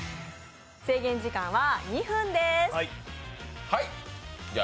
制限時間は２分です。